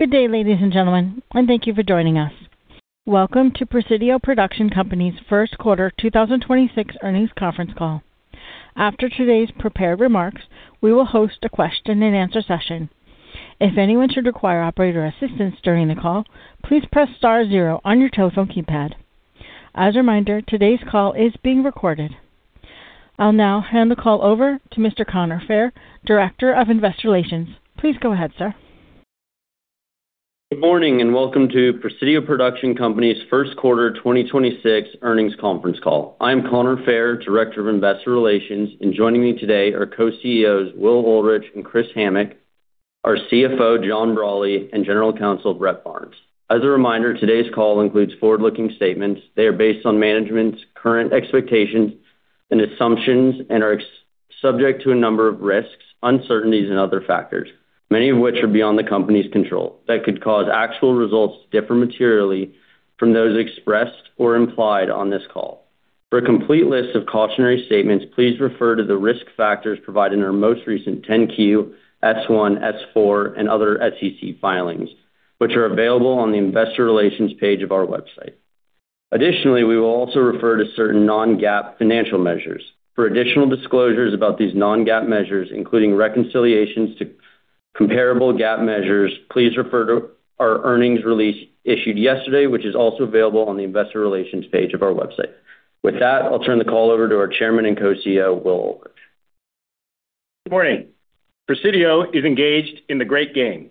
Good day, ladies and gentlemen, and thank you for joining us. Welcome to Presidio Production Company's first quarter 2026 earnings conference call. After today's prepared remarks, we will host a question and answer session. If anyone should require operator assistance during the call, please press star zero on your telephone keypad. As a reminder, today's call is being recorded. I'll now hand the call over to Mr. Connor Fair, Director of Investor Relations. Please go ahead, sir. Good morning. Welcome to Presidio Production Company's first quarter 2026 earnings conference call. I'm Connor Fair, Director of Investor Relations, and joining me today are Co-CEOs Will Ulrich and Chris Hammack, our CFO John Brawley, and General Counsel Brett Barnes. As a reminder, today's call includes forward-looking statements. They are based on management's current expectations and assumptions and are subject to a number of risks, uncertainties and other factors, many of which are beyond the company's control, that could cause actual results to differ materially from those expressed or implied on this call. For a complete list of cautionary statements, please refer to the risk factors provided in our most recent Form 10-Q, Form S-1, Form S-4 and other SEC filings, which are available on the investor relations page of our website. Additionally, we will also refer to certain non-GAAP financial measures. For additional disclosures about these non-GAAP measures, including reconciliations to comparable GAAP measures, please refer to our earnings release issued yesterday, which is also available on the investor relations page of our website. With that, I'll turn the call over to our Chairman and Co-CEO, Will Ulrich. Good morning. Presidio is engaged in the Great Game.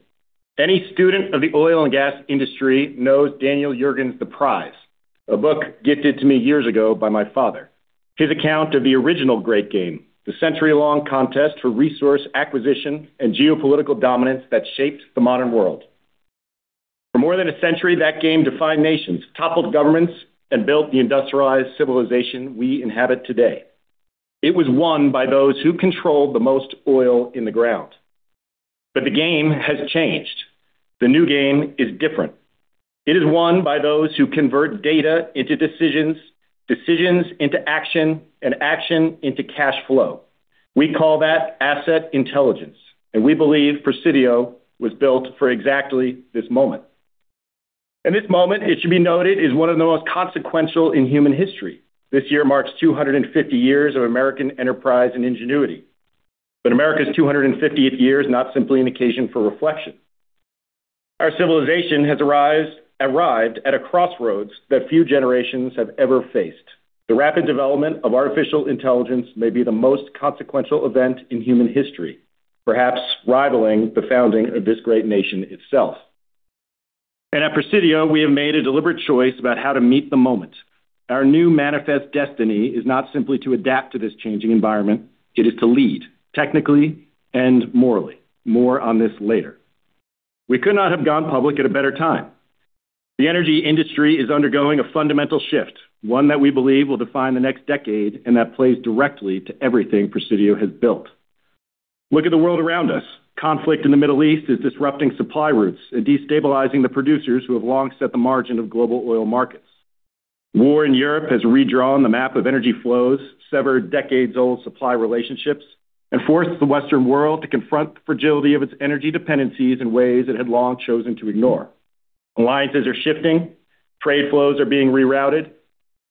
Any student of the oil and gas industry knows Daniel Yergin's The Prize, a book gifted to me years ago by my father. His account of the original Great Game, the century-long contest for resource acquisition and geopolitical dominance that shaped the modern world. For more than a century, that game defined nations, toppled governments, and built the industrialized civilization we inhabit today. It was won by those who controlled the most oil in the ground. The game has changed. The new game is different. It is won by those who convert data into decisions into action, and action into cash flow. We call that asset intelligence, and we believe Presidio was built for exactly this moment. This moment, it should be noted, is one of the most consequential in human history. This year marks 250 years of American enterprise and ingenuity. America's 250th year is not simply an occasion for reflection. Our civilization has arrived at a crossroads that few generations have ever faced. The rapid development of artificial intelligence may be the most consequential event in human history, perhaps rivaling the founding of this great nation itself. At Presidio, we have made a deliberate choice about how to meet the moment. Our new manifest destiny is not simply to adapt to this changing environment. It is to lead, technically and morally. More on this later. We could not have gone public at a better time. The energy industry is undergoing a fundamental shift, one that we believe will define the next decade and that plays directly to everything Presidio has built. Look at the world around us. Conflict in the Middle East is disrupting supply routes and destabilizing the producers who have long set the margin of global oil markets. War in Europe has redrawn the map of energy flows, severed decades-old supply relationships, and forced the Western world to confront the fragility of its energy dependencies in ways it had long chosen to ignore. Alliances are shifting. Trade flows are being rerouted.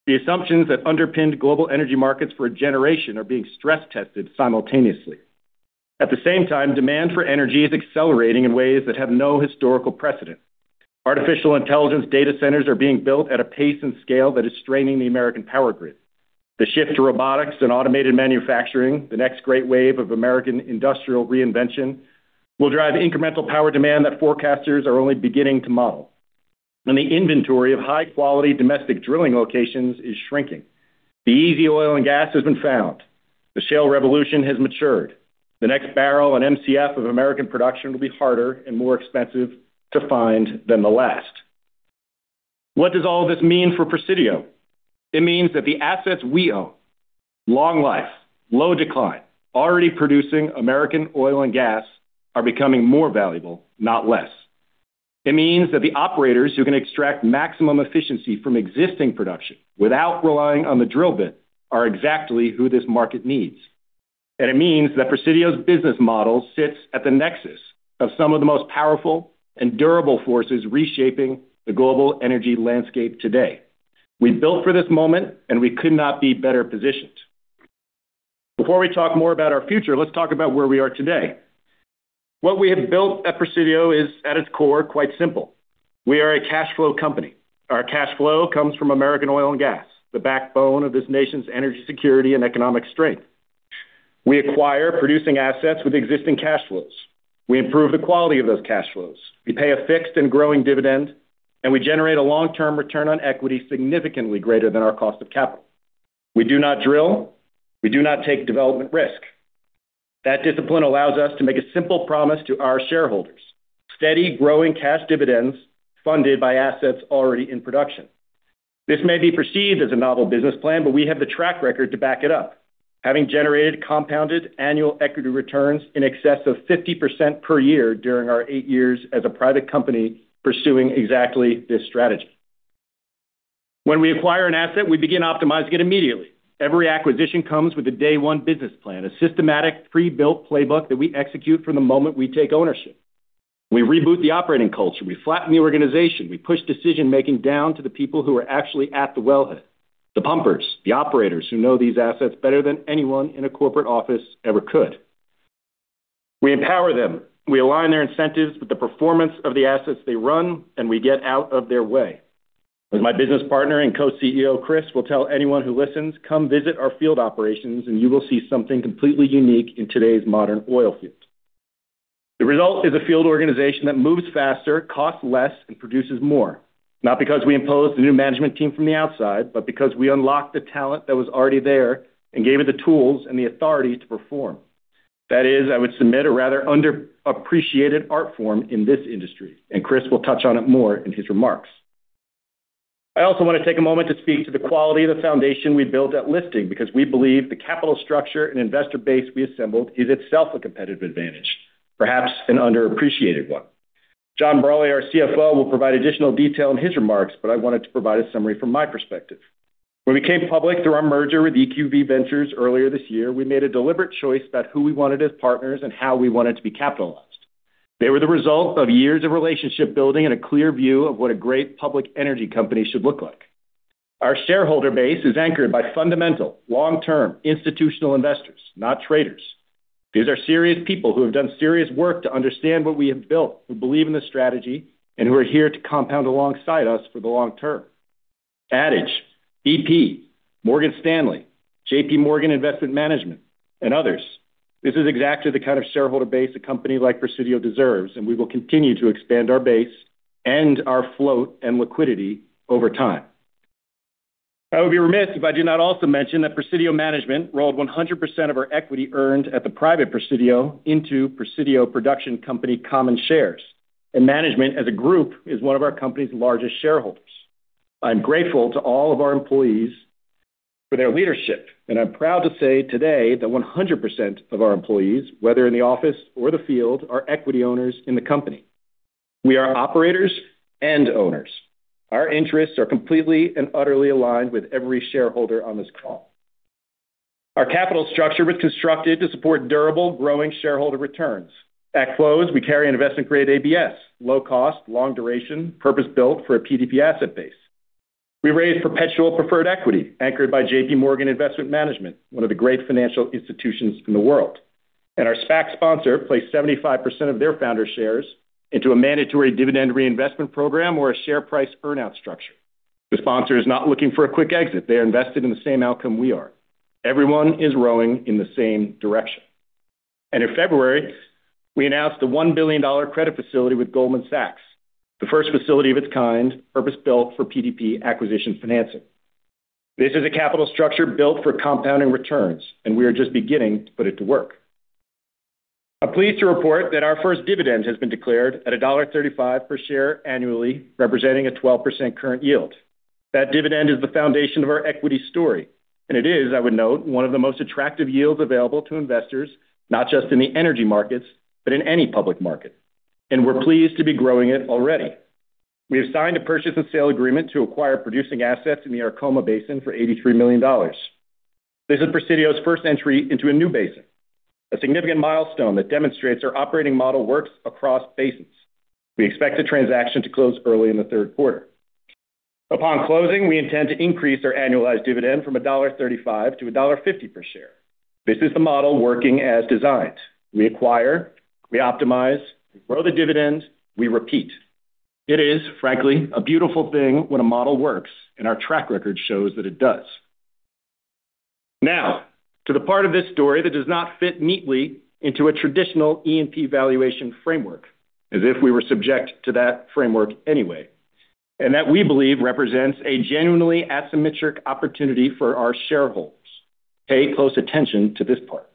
The assumptions that underpinned global energy markets for a generation are being stress-tested simultaneously. At the same time, demand for energy is accelerating in ways that have no historical precedent. Artificial intelligence data centers are being built at a pace and scale that is straining the American power grid. The shift to robotics and automated manufacturing, the next great wave of American industrial reinvention, will drive incremental power demand that forecasters are only beginning to model. The inventory of high-quality domestic drilling locations is shrinking. The easy oil and gas has been found. The shale revolution has matured. The next barrel and MCF of American production will be harder and more expensive to find than the last. What does all this mean for Presidio? It means that the assets we own, long life, low decline, already producing American oil and gas, are becoming more valuable, not less. It means that the operators who can extract maximum efficiency from existing production without relying on the drill bit are exactly who this market needs. It means that Presidio's business model sits at the nexus of some of the most powerful and durable forces reshaping the global energy landscape today. We built for this moment, and we could not be better positioned. Before we talk more about our future, let's talk about where we are today. What we have built at Presidio is, at its core, quite simple. We are a cash flow company. Our cash flow comes from American oil and gas, the backbone of this nation's energy security and economic strength. We acquire producing assets with existing cash flows. We improve the quality of those cash flows. We pay a fixed and growing dividend. We generate a long-term return on equity significantly greater than our cost of capital. We do not drill. We do not take development risk. That discipline allows us to make a simple promise to our shareholders: steady, growing cash dividends funded by assets already in production. This may be perceived as a novel business plan, but we have the track record to back it up, having generated compounded annual equity returns in excess of 50% per year during our eight years as a private company pursuing exactly this strategy. When we acquire an asset, we begin optimizing it immediately. Every acquisition comes with a day one business plan, a systematic pre-built playbook that we execute from the moment we take ownership. We reboot the operating culture. We flatten the organization. We push decision-making down to the people who are actually at the wellhead, the pumpers, the operators who know these assets better than anyone in a corporate office ever could. We empower them. We align their incentives with the performance of the assets they run, and we get out of their way. As my business partner and Co-CEO, Chris, will tell anyone who listens, come visit our field operations, and you will see something completely unique in today's modern oil fields. The result is a field organization that moves faster, costs less, and produces more. Not because we imposed a new management team from the outside, but because we unlocked the talent that was already there and gave it the tools and the authority to perform. That is, I would submit, a rather underappreciated art form in this industry, and Chris will touch on it more in his remarks. I also want to take a moment to speak to the quality of the foundation we built at listing because we believe the capital structure and investor base we assembled is itself a competitive advantage, perhaps an underappreciated one. John Brawley, our CFO, will provide additional detail in his remarks, but I wanted to provide a summary from my perspective. When we came public through our merger with EQV Ventures earlier this year, we made a deliberate choice about who we wanted as partners and how we wanted to be capitalized. They were the result of years of relationship building and a clear view of what a great public energy company should look like. Our shareholder base is anchored by fundamental, long-term institutional investors, not traders. These are serious people who have done serious work to understand what we have built, who believe in the strategy, and who are here to compound alongside us for the long term. Adage, BP, Morgan Stanley, JPMorgan Investment Management, and others. This is exactly the kind of shareholder base a company like Presidio deserves, and we will continue to expand our base and our float and liquidity over time. I would be remiss if I do not also mention that Presidio Management rolled 100% of our equity earned at the private Presidio into Presidio Production Company common shares. Management, as a group, is one of our company's largest shareholders. I'm grateful to all of our employees for their leadership, and I'm proud to say today that 100% of our employees, whether in the office or the field, are equity owners in the company. We are operators and owners. Our interests are completely and utterly aligned with every shareholder on this call. Our capital structure was constructed to support durable, growing shareholder returns. At close, we carry an investment-grade ABS, low cost, long duration, purpose-built for a PDP asset base. We raise perpetual preferred equity anchored by JPMorgan Investment Management, one of the great financial institutions in the world. Our SPAC sponsor placed 75% of their founder shares into a mandatory dividend reinvestment program or a share price earn-out structure. The sponsor is not looking for a quick exit. They are invested in the same outcome we are. Everyone is rowing in the same direction. In February, we announced a $1 billion credit facility with Goldman Sachs, the first facility of its kind, purpose-built for PDP acquisition financing. This is a capital structure built for compounding returns, and we are just beginning to put it to work. I'm pleased to report that our first dividend has been declared at $1.35 per share annually, representing a 12% current yield. It is, I would note, one of the most attractive yields available to investors, not just in the energy markets, but in any public market. We're pleased to be growing it already. We have signed a purchase and sale agreement to acquire producing assets in the Arkoma Basin for $83 million. This is Presidio's first entry into a new basin, a significant milestone that demonstrates our operating model works across basins. We expect the transaction to close early in the third quarter. Upon closing, we intend to increase our annualized dividend from $1.35 to $1.50 per share. This is the model working as designed. We acquire, we optimize, we grow the dividend, we repeat. It is, frankly, a beautiful thing when a model works, and our track record shows that it does. Now, to the part of this story that does not fit neatly into a traditional E&P valuation framework, as if we were subject to that framework anyway, and that we believe represents a genuinely asymmetric opportunity for our shareholders. Pay close attention to this part.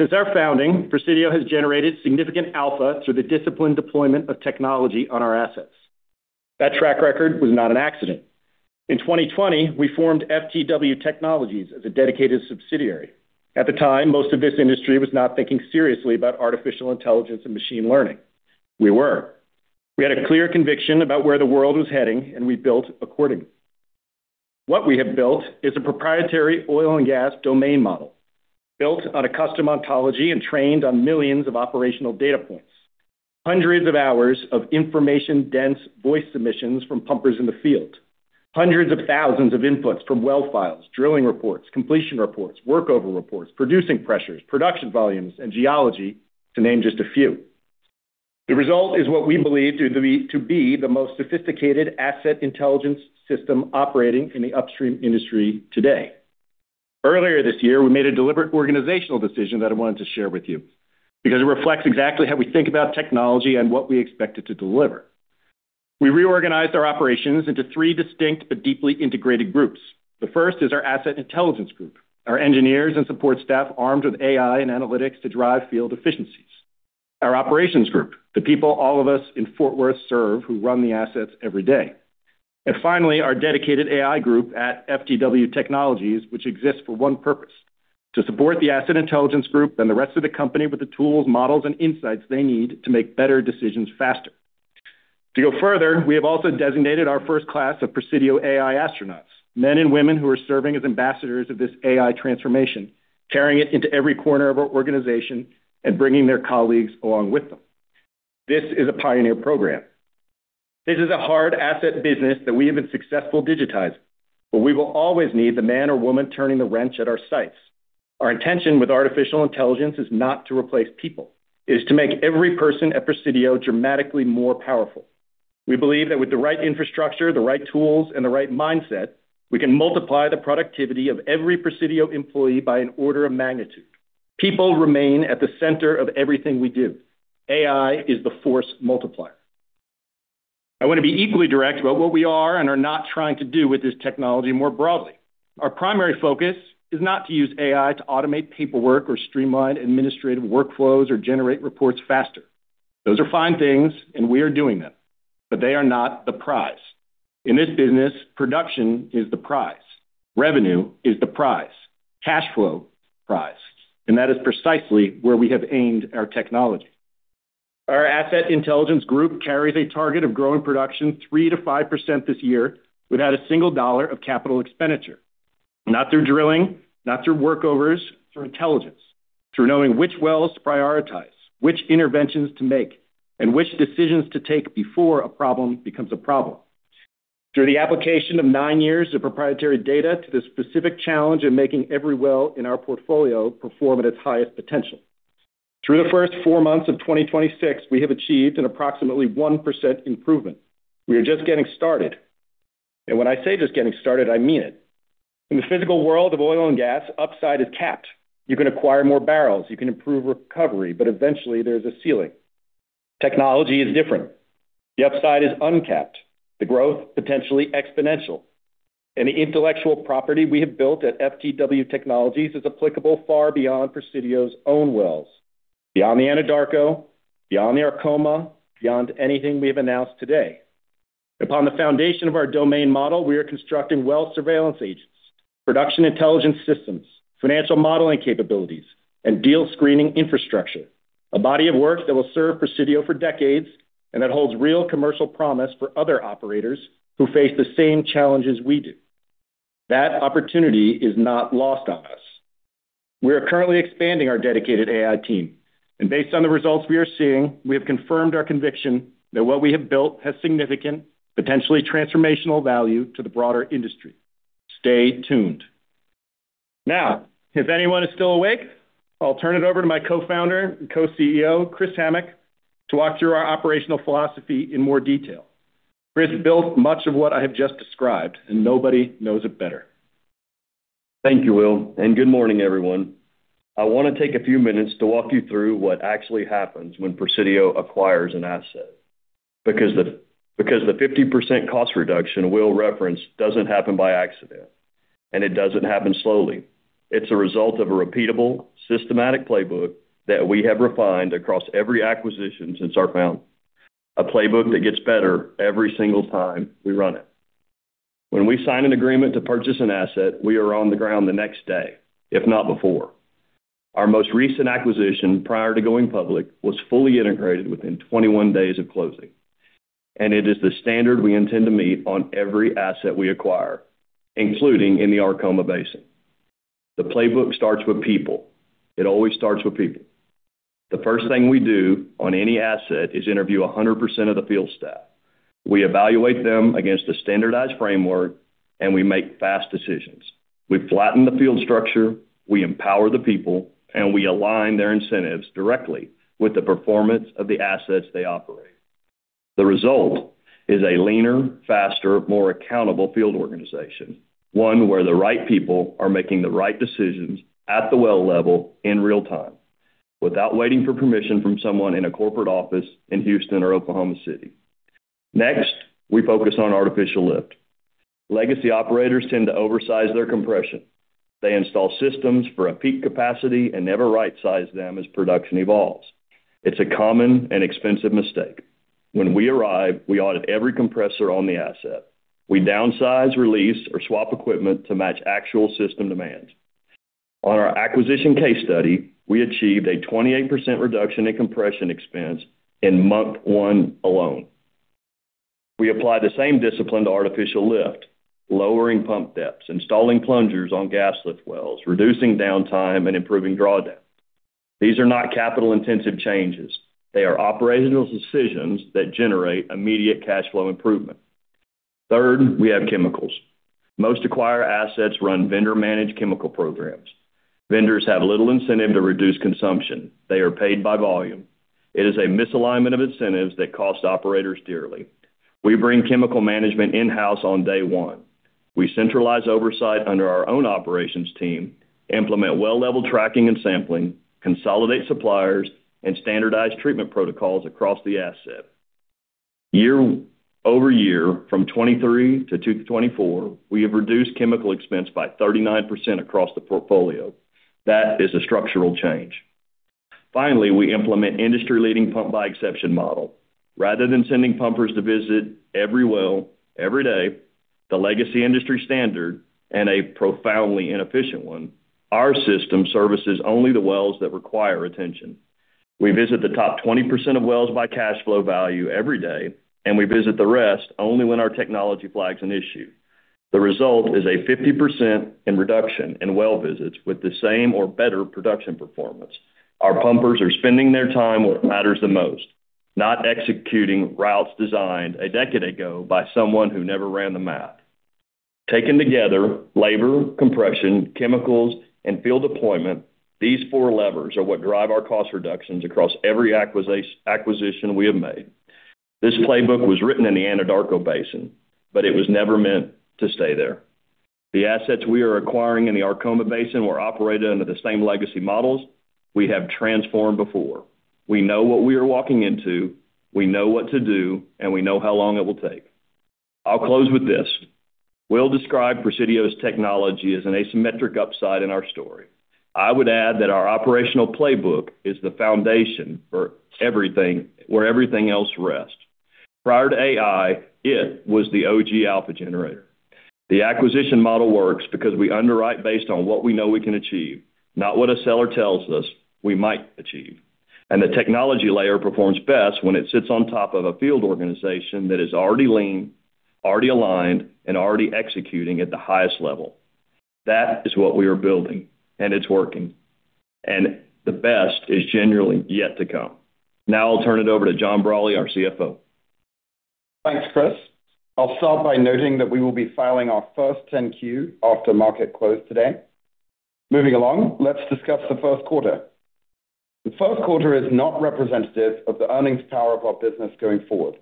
Since our founding, Presidio has generated significant alpha through the disciplined deployment of technology on our assets. That track record was not an accident. In 2020, we formed FTW Technologies as a dedicated subsidiary. At the time, most of this industry was not thinking seriously about artificial intelligence and machine learning. We were. We had a clear conviction about where the world was heading, and we built accordingly. What we have built is a proprietary oil and gas domain model built on a custom ontology and trained on millions of operational data points, hundreds of hours of information-dense voice submissions from pumpers in the field, hundreds of thousands of inputs from well files, drilling reports, completion reports, workover reports, producing pressures, production volumes, and geology, to name just a few. The result is what we believe to be the most sophisticated Asset Intelligence system operating in the upstream industry today. Earlier this year, we made a deliberate organizational decision that I wanted to share with you because it reflects exactly how we think about technology and what we expect it to deliver. We reorganized our operations into three distinct but deeply integrated groups. The first is our Asset Intelligence Group, our engineers and support staff armed with AI and analytics to drive field efficiencies. Our operations group, the people all of us in Fort Worth serve who run the assets every day. Finally, our dedicated AI group at FTW Technologies, which exists for one purpose. To support the Asset Intelligence Group and the rest of the company with the tools, models, and insights they need to make better decisions faster. To go further, we have also designated our first class of Presidio AI Astronauts, men and women who are serving as ambassadors of this AI transformation, carrying it into every corner of our organization and bringing their colleagues along with them. This is a pioneer program. This is a hard asset business that we have been successful digitizing, but we will always need the man or woman turning the wrench at our sites. Our intention with artificial intelligence is not to replace people. It is to make every person at Presidio dramatically more powerful. We believe that with the right infrastructure, the right tools, and the right mindset, we can multiply the productivity of every Presidio employee by an order of magnitude. People remain at the center of everything we do. AI is the force multiplier. I want to be equally direct about what we are and are not trying to do with this technology more broadly. Our primary focus is not to use AI to automate paperwork or streamline administrative workflows or generate reports faster. Those are fine things, and we are doing them, but they are not the prize. In this business, production is the prize. Revenue is the prize. Cash flow, prize. That is precisely where we have aimed our technology. Our Asset Intelligence Group carries a target of growing production 3%-5% this year without a single dollar of capital expenditure. Not through drilling, not through workovers, through intelligence, through knowing which wells to prioritize, which interventions to make, and which decisions to take before a problem becomes a problem. Through the application of nine years of proprietary data to the specific challenge of making every well in our portfolio perform at its highest potential. Through the first four months of 2026, we have achieved an approximately 1% improvement. We are just getting started. When I say just getting started, I mean it. In the physical world of oil and gas, upside is capped. You can acquire more barrels, you can improve recovery, but eventually there's a ceiling. Technology is different. The upside is uncapped, the growth potentially exponential. The intellectual property we have built at FTW Technologies is applicable far beyond Presidio's own wells, beyond the Anadarko, beyond the Arkoma, beyond anything we have announced today. Upon the foundation of our domain model, we are constructing well surveillance agents, production intelligence systems, financial modeling capabilities, and deal screening infrastructure, a body of work that will serve Presidio for decades, and that holds real commercial promise for other operators who face the same challenges we do. That opportunity is not lost on us. We are currently expanding our dedicated AI team. Based on the results we are seeing, we have confirmed our conviction that what we have built has significant, potentially transformational value to the broader industry. Stay tuned. If anyone is still awake, I'll turn it over to my co-founder and co-CEO, Chris Hammack, to walk through our operational philosophy in more detail. Chris built much of what I have just described, and nobody knows it better. Thank you, Will. Good morning, everyone. I want to take a few minutes to walk you through what actually happens when Presidio acquires an asset. The 50% cost reduction Will referenced doesn't happen by accident. It doesn't happen slowly. It's a result of a repeatable, systematic playbook that we have refined across every acquisition since our founding. A playbook that gets better every single time we run it. When we sign an agreement to purchase an asset, we are on the ground the next day, if not before. Our most recent acquisition prior to going public was fully integrated within 21 days of closing. It is the standard we intend to meet on every asset we acquire, including in the Arkoma Basin. The playbook starts with people. It always starts with people. The first thing we do on any asset is interview 100% of the field staff. We evaluate them against a standardized framework, and we make fast decisions. We flatten the field structure, we empower the people, and we align their incentives directly with the performance of the assets they operate. The result is a leaner, faster, more accountable field organization. One where the right people are making the right decisions at the well level in real time without waiting for permission from someone in a corporate office in Houston or Oklahoma City. Next, we focus on artificial lift. Legacy operators tend to oversize their compression. They install systems for a peak capacity and never right-size them as production evolves. It's a common and expensive mistake. When we arrive, we audit every compressor on the asset. We downsize, release, or swap equipment to match actual system demands. On our acquisition case study, we achieved a 28% reduction in compression expense in month one alone. We apply the same discipline to artificial lift, lowering pump depths, installing plungers on gas lift wells, reducing downtime, and improving drawdown. These are not capital-intensive changes. They are operational decisions that generate immediate cash flow improvement. Third, we have chemicals. Most acquired assets run vendor-managed chemical programs. Vendors have little incentive to reduce consumption. They are paid by volume. It is a misalignment of incentives that cost operators dearly. We bring chemical management in-house on day one. We centralize oversight under our own operations team, implement well-level tracking and sampling, consolidate suppliers, and standardize treatment protocols across the asset. Year-over-year, from 2023 to 2024, we have reduced chemical expense by 39% across the portfolio. That is a structural change. Finally we implement industry-leading pump-by-exception model. Rather than sending pumpers to visit every well every day, the legacy industry standard and a profoundly inefficient one, our system services only the wells that require attention. We visit the top 20% of wells by cash flow value every day, and we visit the rest only when our technology flags an issue. The result is a 50% in reduction in well visits with the same or better production performance. Our pumpers are spending their time where it matters the most, not executing routes designed a decade ago by someone who never ran the math. Taken together, labor, compression, chemicals, and field deployment, these four levers are what drive our cost reductions across every acquisition we have made. This playbook was written in the Anadarko Basin, but it was never meant to stay there. The assets we are acquiring in the Arkoma Basin were operated under the same legacy models we have transformed before. We know what we are walking into, we know what to do, and we know how long it will take. I'll close with this. Will described Presidio's technology as an asymmetric upside in our story. I would add that our operational playbook is the foundation for everything, where everything else rests. Prior to AI, it was the OG alpha generator. The acquisition model works because we underwrite based on what we know we can achieve, not what a seller tells us we might achieve. The technology layer performs best when it sits on top of a field organization that is already lean, already aligned, and already executing at the highest level. That is what we are building, and it's working. The best is genuinely yet to come. Now I'll turn it over to John Brawley, our CFO. Thanks, Chris. I'll start by noting that we will be filing our first 10-Q after market close today. Moving along, let's discuss the first quarter. The first quarter is not representative of the earnings power of our business going forward,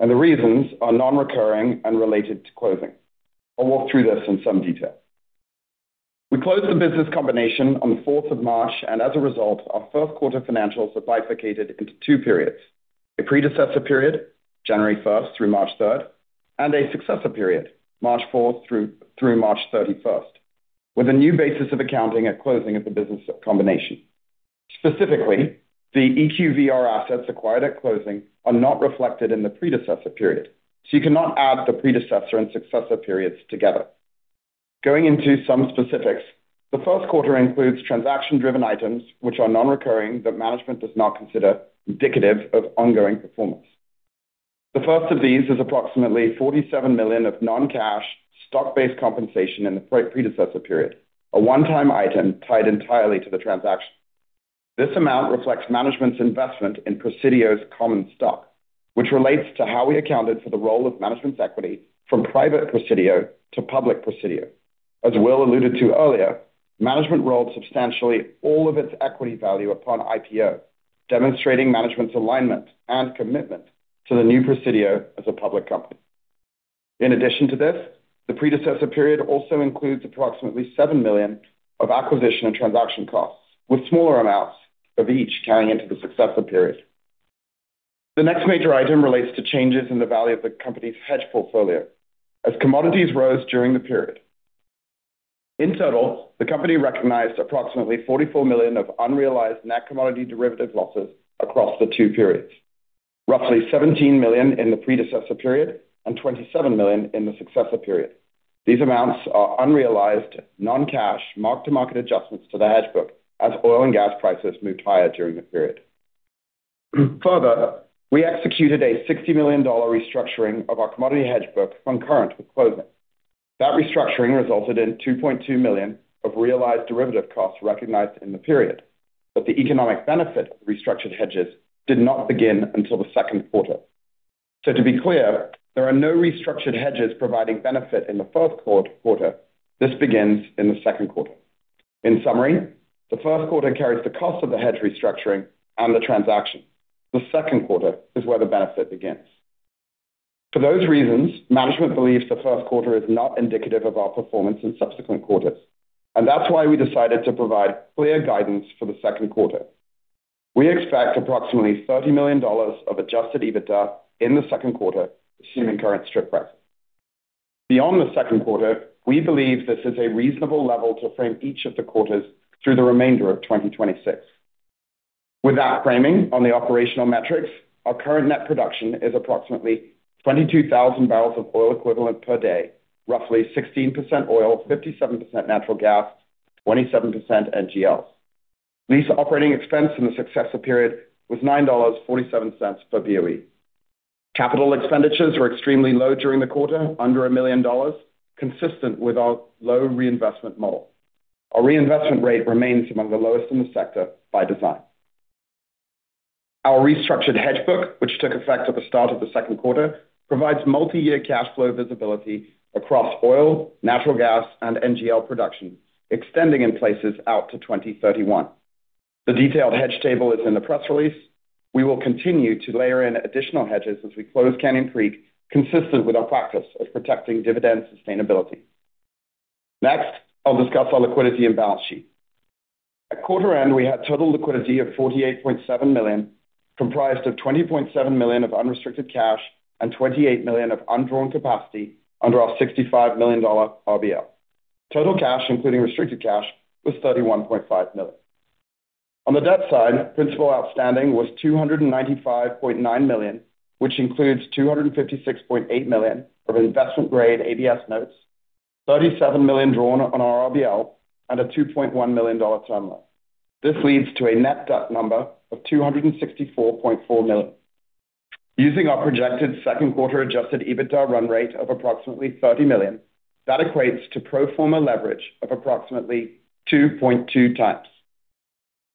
and the reasons are non-recurring and related to closing. I'll walk through this in some detail. We closed the business combination on the 4th of March, and as a result, our first quarter financials are bifurcated into two periods: a predecessor period, January 1st through March 3rd, and a successor period, March 4th through March 31st, with a new basis of accounting at closing of the business combination. Specifically, the EQVR assets acquired at closing are not reflected in the predecessor period, so you cannot add the predecessor and successor periods together. Going into some specifics, the first quarter includes transaction-driven items which are non-recurring that management does not consider indicative of ongoing performance. The first of these is approximately $47 million of non-cash stock-based compensation in the pre-predecessor period, a one-time item tied entirely to the transaction. This amount reflects management's investment in Presidio's common stock, which relates to how we accounted for the roll of management's equity from private Presidio to public Presidio. As Will alluded to earlier, management rolled substantially all of its equity value upon IPO, demonstrating management's alignment and commitment to the new Presidio as a public company. In addition to this, the predecessor period also includes approximately $7 million of acquisition and transaction costs, with smaller amounts of each carrying into the successor period. The next major item relates to changes in the value of the company's hedge portfolio as commodities rose during the period. In total, the company recognized approximately $44 million of unrealized net commodity derivative losses across the two periods. Roughly $17 million in the predecessor period and $27 million in the successor period. These amounts are unrealized non-cash mark-to-market adjustments to the hedge book as oil and gas prices moved higher during the period. Further, we executed a $60 million restructuring of our commodity hedge book concurrent with closing. That restructuring resulted in $2.2 million of realized derivative costs recognized in the period, the economic benefit of restructured hedges did not begin until the second quarter. To be clear, there are no restructured hedges providing benefit in the first quarter. This begins in the second quarter. In summary, the first quarter carries the cost of the hedge restructuring and the transaction. The second quarter is where the benefit begins. For those reasons, management believes the first quarter is not indicative of our performance in subsequent quarters, and that's why we decided to provide clear guidance for the second quarter. We expect approximately $30 million of adjusted EBITDA in the second quarter, assuming current strip price. Beyond the second quarter, we believe this is a reasonable level to frame each of the quarters through the remainder of 2026. With that framing on the operational metrics, our current net production is approximately 22,000 BOE per day, roughly 16% oil, 57% natural gas, 27% NGLs. Lease operating expense in the successor period was $9.47 per BOE. Capital expenditures were extremely low during the quarter, under $1 million, consistent with our low reinvestment model. Our reinvestment rate remains among the lowest in the sector by design. Our restructured hedge book, which took effect at the start of the second quarter, provides multi-year cash flow visibility across oil, natural gas, and NGL production, extending in places out to 2031. The detailed hedge table is in the press release. We will continue to layer in additional hedges as we close Canyon Creek, consistent with our practice of protecting dividend sustainability. Next, I'll discuss our liquidity and balance sheet. At quarter end, we had total liquidity of $48.7 million, comprised of $20.7 million of unrestricted cash and $28 million of undrawn capacity under our $65 million RBL. Total cash, including restricted cash, was $31.5 million. On the debt side, principal outstanding was $295.9 million, which includes $256.8 million of investment-grade ABS notes, $37 million drawn on our RBL, and a $2.1 million term loan. This leads to a net debt number of $264.4 million. Using our projected second quarter adjusted EBITDA run rate of approximately $30 million, that equates to pro forma leverage of approximately 2.2x.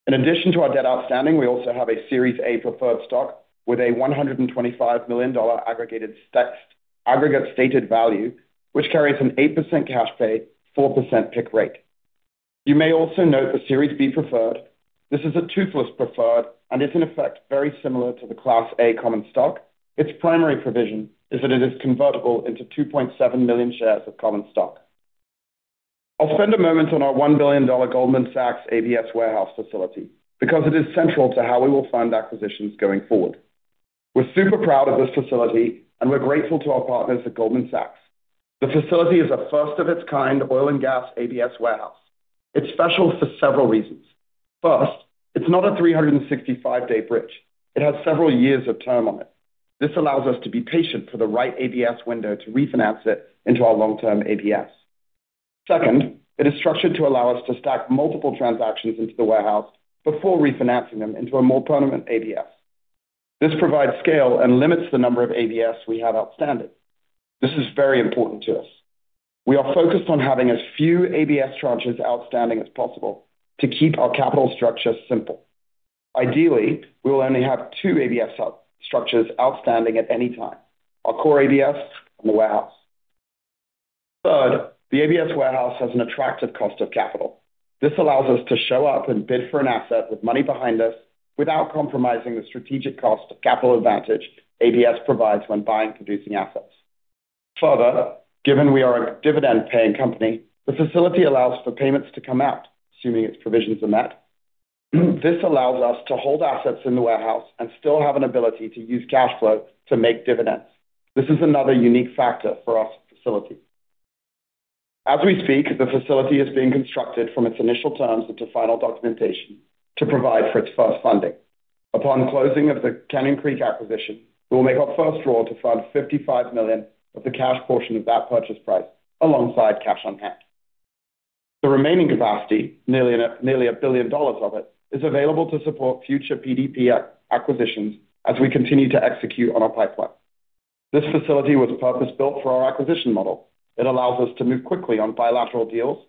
In addition to our debt outstanding, we also have a Series A preferred stock with a $125 million aggregate stated value, which carries an 8% cash pay, 4% PIK rate. You may also note the Series B preferred. This is a toothless preferred, and it's in effect very similar to the Class A common stock. Its primary provision is that it is convertible into 2.7 million shares of common stock. I'll spend a moment on our $1 billion Goldman Sachs ABS warehouse facility because it is central to how we will fund acquisitions going forward. We're super proud of this facility, and we're grateful to our partners at Goldman Sachs. The facility is a first of its kind oil and gas ABS warehouse. It's special for several reasons. First, it's not a 365-day bridge. It has several years of term on it. This allows us to be patient for the right ABS window to refinance it into our long-term ABS. Second, it is structured to allow us to stack multiple transactions into the warehouse before refinancing them into a more permanent ABS. This provides scale and limits the number of ABS we have outstanding. This is very important to us. We are focused on having as few ABS tranches outstanding as possible to keep our capital structure simple. Ideally, we will only have two ABS structures outstanding at any time, our core ABS and the warehouse. Third, the ABS warehouse has an attractive cost of capital. This allows us to show up and bid for an asset with money behind us without compromising the strategic cost of capital advantage ABS provides when buying producing assets. Given we are a dividend-paying company, the facility allows for payments to come out, assuming its provisions are met. This allows us to hold assets in the warehouse and still have an ability to use cash flow to make dividends. This is another unique factor for our facility. As we speak, the facility is being constructed from its initial terms into final documentation to provide for its first funding. Upon closing of the Canyon Creek acquisition, we'll make our first draw to fund $55 million of the cash portion of that purchase price alongside cash on hand. The remaining capacity, nearly $1 billion of it, is available to support future PDP acquisitions as we continue to execute on our pipeline. This facility was purpose-built for our acquisition model. It allows us to move quickly on bilateral deals,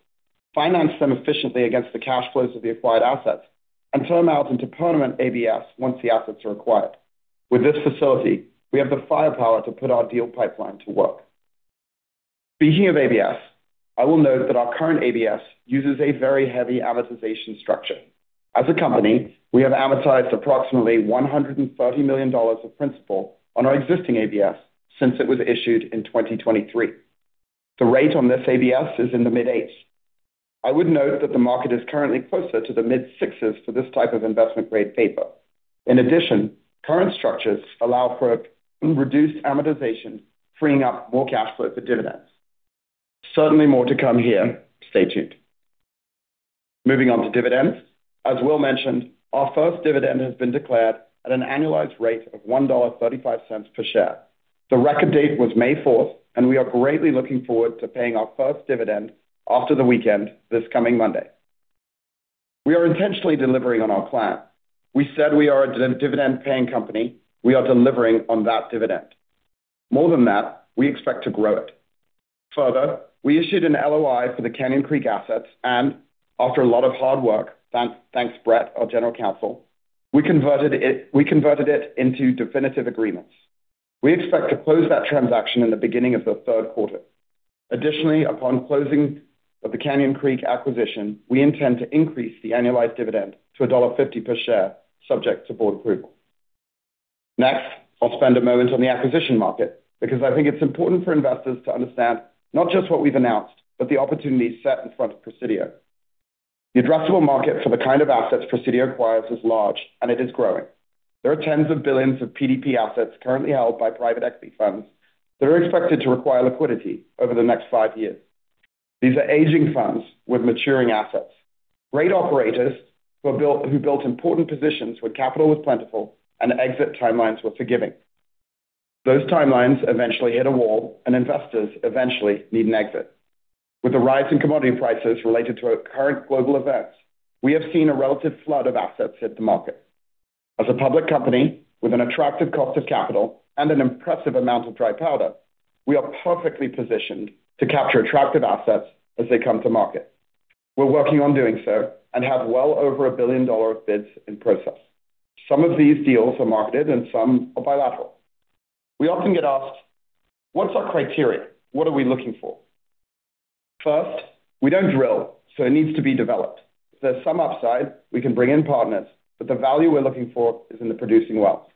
finance them efficiently against the cash flows of the acquired assets, and turn them out into permanent ABS once the assets are acquired. With this facility, we have the firepower to put our deal pipeline to work. Speaking of ABS, I will note that our current ABS uses a very heavy amortization structure. As a company, we have amortized approximately $130 million of principal on our existing ABS since it was issued in 2023. The rate on this ABS is in the mid-8%. I would note that the market is currently closer to the mid-6% for this type of investment-grade paper. Current structures allow for reduced amortization, freeing up more cash flow for dividends. Certainly more to come here. Stay tuned. Moving on to dividends. As Will mentioned, our first dividend has been declared at an annualized rate of $1.35 per share. The record date was May 4th, and we are greatly looking forward to paying our first dividend after the weekend, this coming Monday. We are intentionally delivering on our plan. We said we are a dividend paying company. We are delivering on that dividend. More than that, we expect to grow it. We issued an LOI for the Canyon Creek assets and after a lot of hard work, thanks, Brett Barnes, our General Counsel, we converted it into definitive agreements. We expect to close that transaction in the beginning of the third quarter. Upon closing of the Canyon Creek acquisition, we intend to increase the annualized dividend to $1.50 per share, subject to board approval. I'll spend a moment on the acquisition market because I think it's important for investors to understand not just what we've announced, but the opportunities set in front of Presidio. The addressable market for the kind of assets Presidio acquires is large, and it is growing. There are tens of billions of PDP assets currently held by private equity funds that are expected to require liquidity over the next five years. These are aging funds with maturing assets. Great operators who built important positions when capital was plentiful and exit timelines were forgiving. Those timelines eventually hit a wall, and investors eventually need an exit. With the rise in commodity prices related to current global events, we have seen a relative flood of assets hit the market. As a public company with an attractive cost of capital and an impressive amount of dry powder, we are perfectly positioned to capture attractive assets as they come to market. We're working on doing so and have well over $1 billion of bids in process. Some of these deals are marketed and some are bilateral. We often get asked, "What's our criteria? What are we looking for?" First, we don't drill, so it needs to be developed. If there's some upside, we can bring in partners, but the value we're looking for is in the producing wells.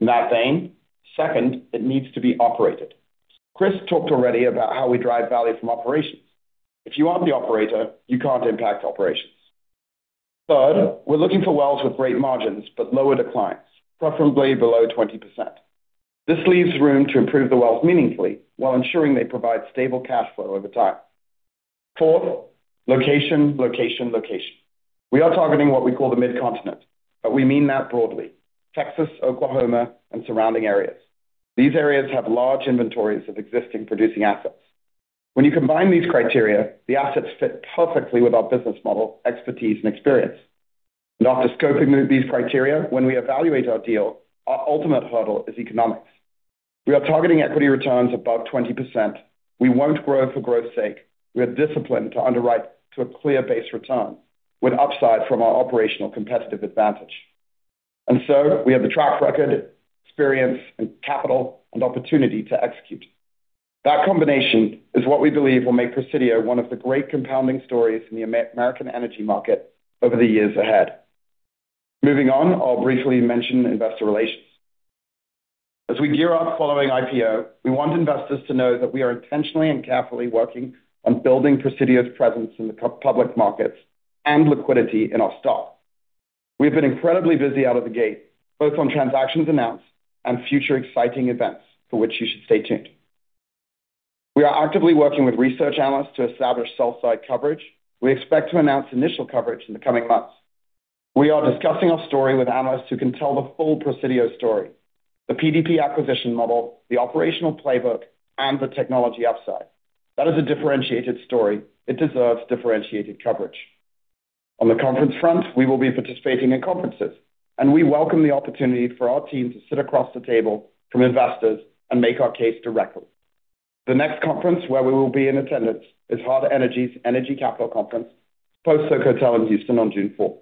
In that vein, Second, it needs to be operated. Chris talked already about how we drive value from operations. If you aren't the operator, you can't impact operations. Third, we're looking for wells with great margins but lower declines, preferably below 20%. This leaves room to improve the wells meaningfully while ensuring they provide stable cash flow over time. Fourth, location, location. We are targeting what we call the Mid-Continent, but we mean that broadly. Texas, Oklahoma, and surrounding areas. These areas have large inventories of existing producing assets. When you combine these criteria, the assets fit perfectly with our business model, expertise, and experience. After scoping these criteria, when we evaluate our deal, our ultimate hurdle is economics. We are targeting equity returns above 20%. We won't grow for growth's sake. We are disciplined to underwrite to a clear base return with upside from our operational competitive advantage. We have the track record, experience, and capital, and opportunity to execute. That combination is what we believe will make Presidio one of the great compounding stories in the American energy market over the years ahead. Moving on, I'll briefly mention investor relations. As we gear up following IPO, we want investors to know that we are intentionally and carefully working on building Presidio's presence in the public markets and liquidity in our stock. We've been incredibly busy out of the gate, both on transactions announced and future exciting events for which you should stay tuned. We are actively working with research analysts to establish sell side coverage. We expect to announce initial coverage in the coming months. We are discussing our story with analysts who can tell the full Presidio story, the PDP acquisition model, the operational playbook, and the technology upside. That is a differentiated story. It deserves differentiated coverage. On the conference front, we will be participating in conferences, and we welcome the opportunity for our team to sit across the table from investors and make our case directly. The next conference where we will be in attendance is Hart Energy's Energy Capital Conference, Post Oak Hotel in Houston on June 4.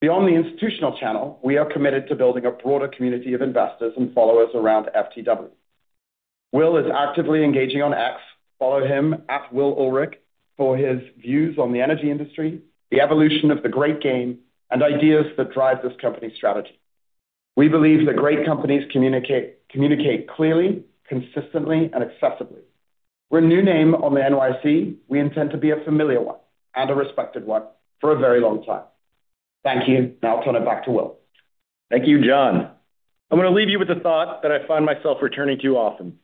Beyond the institutional channel, we are committed to building a broader community of investors and followers around FTW. Will is actively engaging on X. Follow him, @willulrich, for his views on the energy industry, the evolution of the Great Game, and ideas that drive this company's strategy. We believe that great companies communicate clearly, consistently, and accessibly. We're a new name on the NYSE. We intend to be a familiar one and a respected one for a very long time. Thank you. Now I'll turn it back to Will. Thank you, John. I'm gonna leave you with a thought that I find myself returning to often.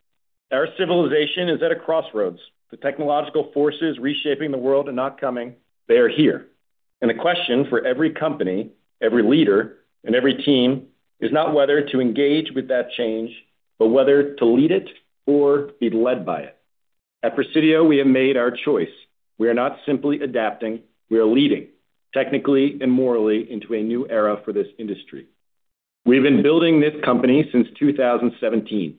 Our civilization is at a crossroads. The technological forces reshaping the world are not coming. They are here. The question for every company, every leader, and every team is not whether to engage with that change, but whether to lead it or be led by it. At Presidio, we have made our choice. We are not simply adapting, we are leading, technically and morally, into a new era for this industry. We've been building this company since 2017.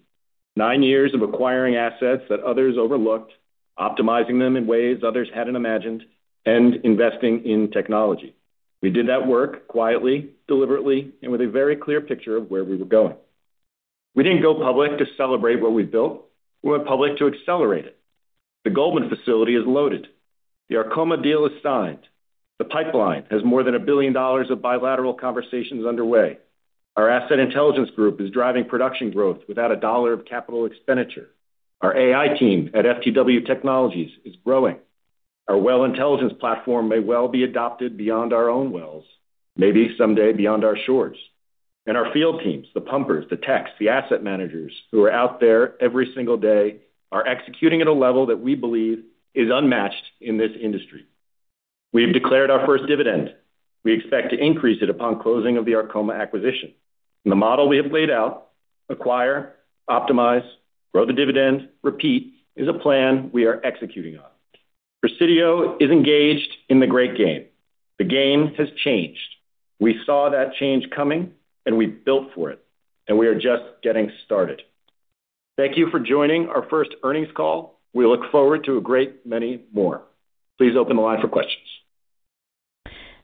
Nine years of acquiring assets that others overlooked, optimizing them in ways others hadn't imagined, and investing in technology. We did that work quietly, deliberately, and with a very clear picture of where we were going. We didn't go public to celebrate what we've built. We went public to accelerate it. The Goldman Sachs facility is loaded. The Arkoma deal is signed. The pipeline has more than $1 billion of bilateral conversations underway. Our Asset Intelligence Group is driving production growth without a dollar of capital expenditure. Our AI team at FTW Technologies is growing. Our well intelligence platform may well be adopted beyond our own wells, maybe someday beyond our shores. And our field teams, the pumpers, the techs, the asset managers who are out there every single day are executing at a level that we believe is unmatched in this industry. We've declared our first dividend. We expect to increase it upon closing of the Arkoma acquisition. The model we have laid out, acquire, optimize, grow the dividend, repeat, is a plan we are executing on. Presidio is engaged in the Great Game. The game has changed. We saw that change coming, and we built for it, and we are just getting started. Thank you for joining our first earnings call. We look forward to a great many more. Please open the line for questions.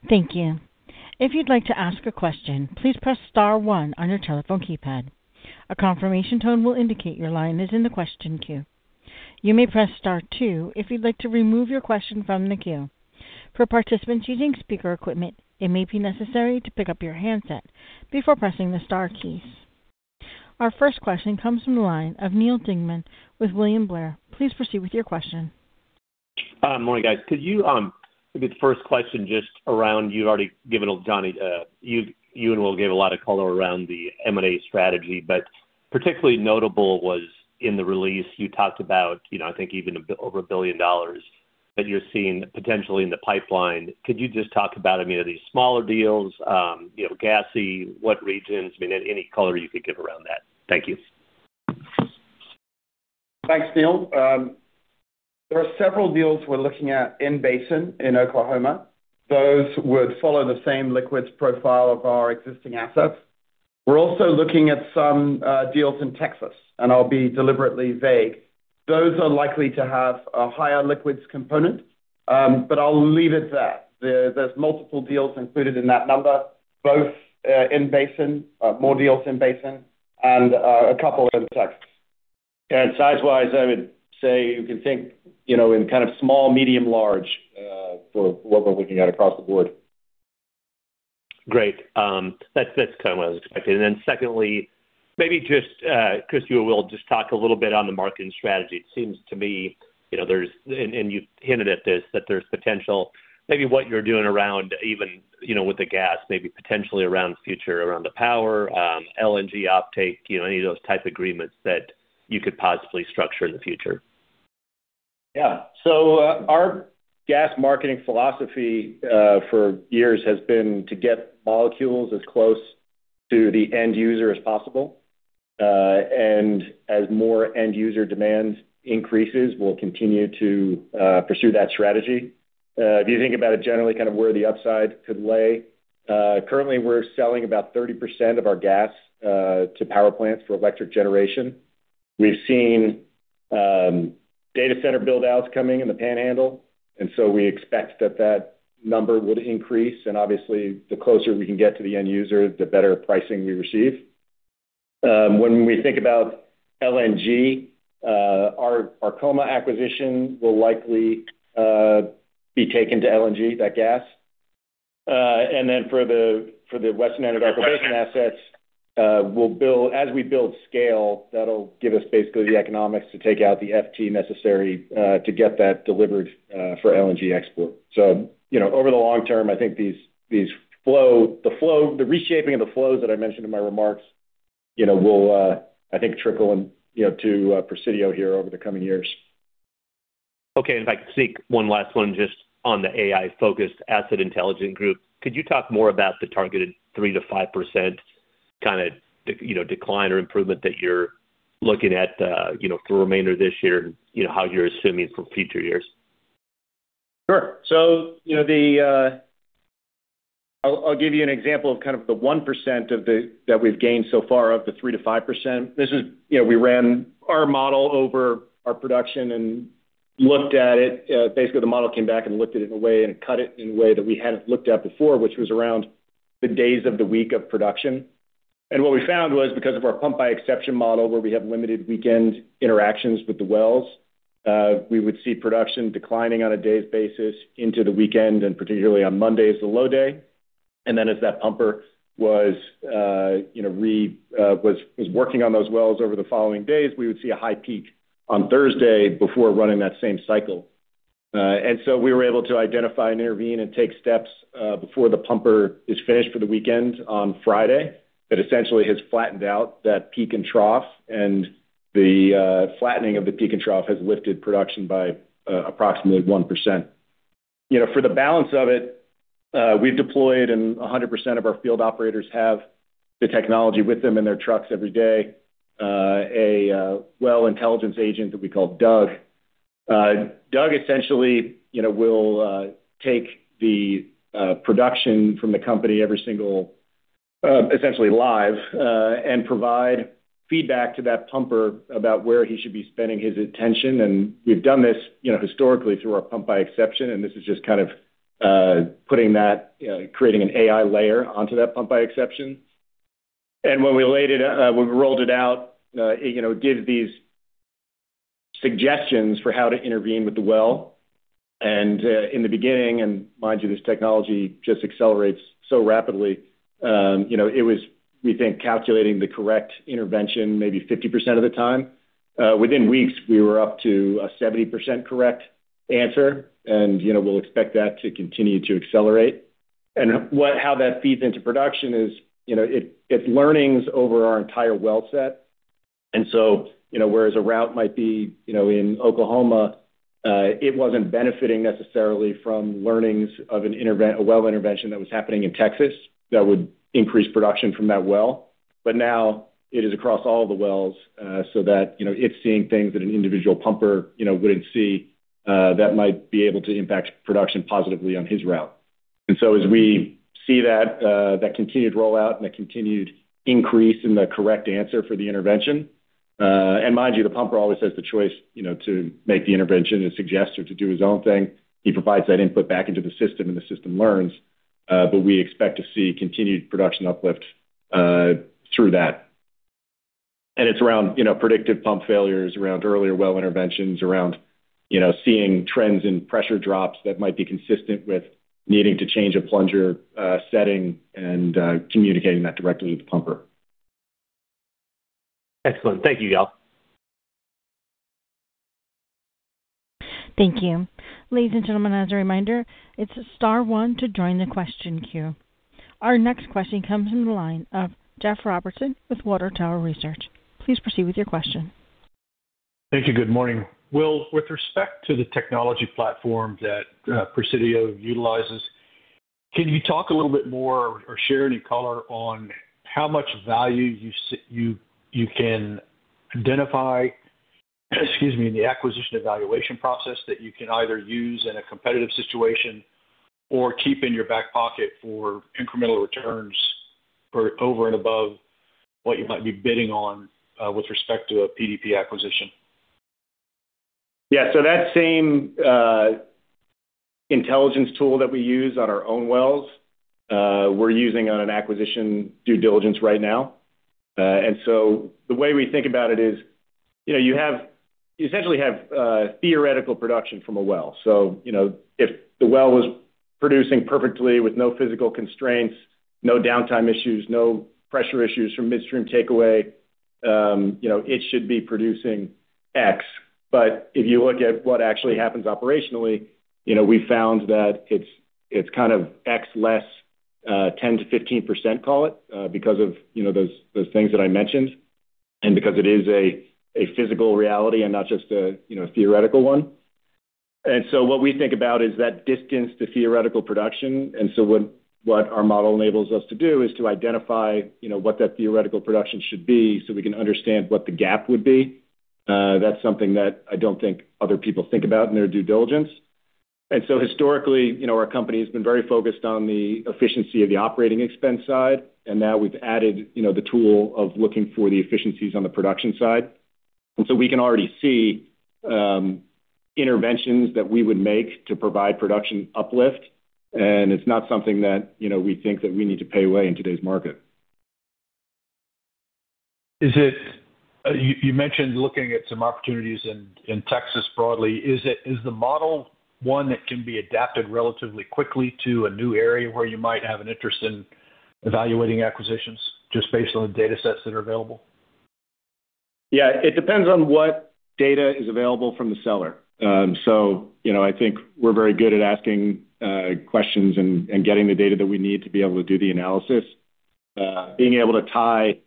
Thank you. If you'd like to ask a question, please press star one on your telephone keypad. A confirmation tone will indicate your line is in the question queue. You may press star two if you'd like to remove your question from the queue. For participants using speaker equipment, it may be necessary to pick up your handset before pressing the star keys. Our first question comes from the line of Neal Dingmann with William Blair. Please proceed with your question. Morning, guys. Could you, maybe the first question just around you've already given Johnny, you and Will gave a lot of color around the M&A strategy, but particularly notable was in the release, you talked about, you know, I think even over $1 billion that you're seeing potentially in the pipeline. Could you just talk about, I mean, are these smaller deals? You know, gassy? What regions? I mean, any color you could give around that. Thank you. Thanks, Neal. There are several deals we're looking at in basin in Oklahoma. Those would follow the same liquids profile of our existing assets. We're also looking at some deals in Texas, and I'll be deliberately vague. Those are likely to have a higher liquids component, but I'll leave it there. There's multiple deals included in that number, both in basin, more deals in basin and a couple in Texas. Size-wise, I would say you can think, you know, in kind of small, medium, large, for what we're looking at across the board. Great. That's kind of what I was expecting. Secondly, maybe just Chris, you will just talk a little bit on the marketing strategy. It seems to me, you know, there's and you hinted at this, that there's potential maybe what you're doing around even, you know, with the gas, maybe potentially around future, around the power, LNG offtake, you know, any of those type agreements that you could possibly structure in the future. Our gas marketing philosophy for years has been to get molecules as close to the end user as possible. As more end user demand increases, we'll continue to pursue that strategy. If you think about it generally, kind of where the upside could lay, currently we're selling about 30% of our gas to power plants for electric generation. We've seen data center build-outs coming in the Panhandle, we expect that that number would increase. Obviously the closer we can get to the end user, the better pricing we receive. When we think about LNG, our Arkoma acquisition will likely be taken to LNG, that gas. Then for the western end of our production assets, as we build scale, that'll give us basically the economics to take out the FT necessary, to get that delivered, for LNG export. You know, over the long term, I think these flow, the flow, the reshaping of the flows that I mentioned in my remarks, you know, will, I think trickle in, you know, to, Presidio here over the coming years. Okay. In fact, seek one last one just on the AI-focused Asset Intelligence Group. Could you talk more about the targeted 3%-5% you know, decline or improvement that you're looking at, you know, for the remainder of this year and, you know, how you're assuming for future years? Sure. You know, I'll give you an example of kind of the 1% that we've gained so far of the 3%-5%. This is, you know, we ran our model over our production and looked at it. Basically, the model came back and looked at it in a way and cut it in a way that we hadn't looked at before, which was around the days of the week of production. What we found was because of our pump-by-exception model, where we have limited weekend interactions with the wells, we would see production declining on a day's basis into the weekend, and particularly on Mondays, the low day. As that pumper was, you know, working on those wells over the following days, we would see a high peak on Thursday before running that same cycle. We were able to identify and intervene and take steps before the pumper is finished for the weekend on Friday. That essentially has flattened out that peak and trough, and the flattening of the peak and trough has lifted production by approximately 1%. You know, for the balance of it, we've deployed, and 100% of our field operators have the technology with them in their trucks every day, a well intelligence agent that we call Doug. Doug essentially, you know, will take the production from the company every single, essentially live, and provide feedback to that pumper about where he should be spending his attention. We've done this, you know, historically through our pump-by-exception, and this is just kind of putting that, creating an AI layer onto that pump-by-exception. When we laid it, we rolled it out, it, you know, gave these suggestions for how to intervene with the well. In the beginning, and mind you, this technology just accelerates so rapidly, you know, it was, we think, calculating the correct intervention maybe 50% of the time. Within weeks, we were up to a 70% correct answer. You know, we'll expect that to continue to accelerate. How that feeds into production is, you know, it learnings over our entire well set. So, you know, whereas a route might be, you know, in Oklahoma, it wasn't benefiting necessarily from learnings of a well intervention that was happening in Texas that would increase production from that well. Now it is across all the wells, so that, you know, it's seeing things that an individual pumper, you know, wouldn't see, that might be able to impact production positively on his route. So as we see that continued rollout and a continued increase in the correct answer for the intervention, and mind you, the pumper always has the choice, you know, to make the intervention and suggest or to do his own thing. He provides that input back into the system, and the system learns, but we expect to see continued production uplift through that. It's around, you know, predictive pump failures, around earlier well interventions, around, you know, seeing trends in pressure drops that might be consistent with needing to change a plunger setting and communicating that directly with the pumper. Excellent. Thank you, y'all. Thank you. Ladies and gentlemen, as a reminder, it's star one to join the question queue. Our next question comes from the line of Jeff Robertson with Water Tower Research. Please proceed with your question. Thank you. Good morning. Will, with respect to the technology platform that Presidio utilizes, can you talk a little bit more or share any color on how much value you can identify, excuse me, in the acquisition evaluation process that you can either use in a competitive situation or keep in your back pocket for incremental returns for over and above what you might be bidding on with respect to a PDP acquisition? Yeah. That same intelligence tool that we use on our own wells, we're using on an acquisition due diligence right now. The way we think about it is, you know, you essentially have theoretical production from a well. You know, if the well was producing perfectly with no physical constraints, no downtime issues, no pressure issues from midstream takeaway, you know, it should be producing X. If you look at what actually happens operationally, you know, we found that it's kind of X less, 10%-15%, call it, because of, you know, those things that I mentioned, and because it is a physical reality and not just a, you know, theoretical one. What we think about is that distance to theoretical production. What our model enables us to do is to identify, you know, what that theoretical production should be so we can understand what the gap would be. That's something that I don't think other people think about in their due diligence. Historically, you know, our company has been very focused on the efficiency of the operating expense side, and now we've added, you know, the tool of looking for the efficiencies on the production side. We can already see interventions that we would make to provide production uplift. It's not something that, you know, we think that we need to pay way in today's market. You mentioned looking at some opportunities in Texas broadly. Is the model one that can be adapted relatively quickly to a new area where you might have an interest in evaluating acquisitions just based on the datasets that are available? Yeah. It depends on what data is available from the seller. you know, I think we're very good at asking questions and getting the data that we need to be able to do the analysis. Being able to tie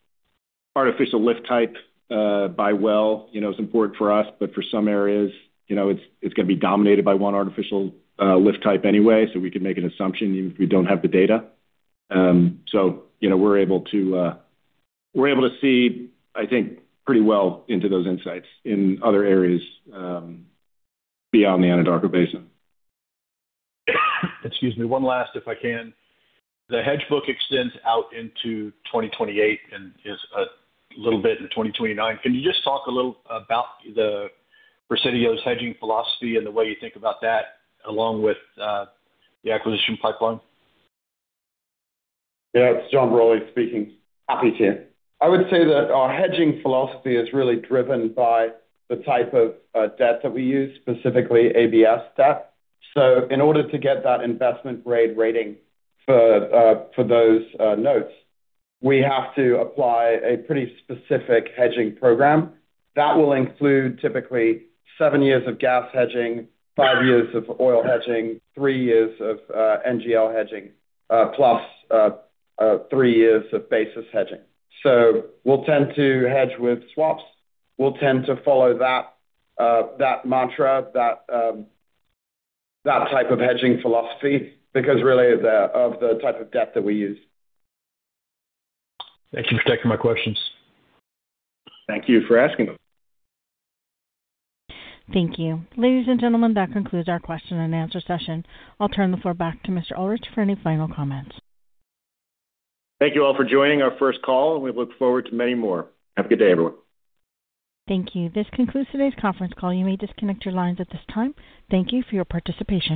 artificial lift type by well, you know, is important for us, but for some areas, you know, it's gonna be dominated by one artificial lift type anyway, so we can make an assumption even if we don't have the data. you know, we're able to, we're able to see, I think, pretty well into those insights in other areas, beyond the Anadarko Basin. Excuse me. One last, if I can. The hedge book extends out into 2028 and is a little bit in 2029. Can you just talk a little about Presidio's hedging philosophy and the way you think about that along with the acquisition pipeline? Yeah. It's John Brawley speaking. Happy to. I would say that our hedging philosophy is really driven by the type of debt that we use, specifically ABS debt. In order to get that investment grade rating for those notes, we have to apply a pretty specific hedging program. That will include typically seven years of gas hedging, five years of oil hedging, three years of NGL hedging, +3 years of basis hedging. We'll tend to hedge with swaps. We'll tend to follow that mantra, that type of hedging philosophy because really of the type of debt that we use. Thank you for taking my questions. Thank you for asking them. Thank you. Ladies and gentlemen, that concludes our question and answer session. I will turn the floor back to Mr. Ulrich for any final comments. Thank you all for joining our first call, and we look forward to many more. Have a good day, everyone. Thank you. This concludes today's conference call. You may disconnect your lines at this time. Thank you for your participation.